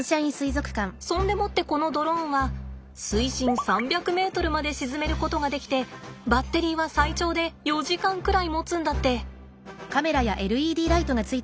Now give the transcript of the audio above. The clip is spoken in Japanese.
そんでもってこのドローンは水深３００ｍまで沈めることができてバッテリーは最長で４時間くらいもつんだって。